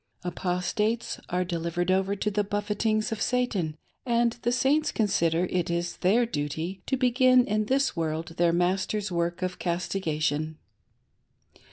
Apostates are delivered over to "the buffetings of Satan," and the Saints consider it is their duty to begin in this world their master's work of castigation.